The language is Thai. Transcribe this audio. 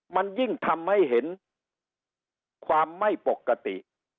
มันยิ่งทำให้เห็นความไม่ปกติ